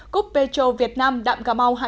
cúp petro việt nam đạm cà mau hai nghìn một mươi chín